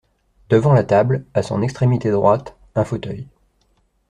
Devant la table, à son extrémité droite, un fauteuil.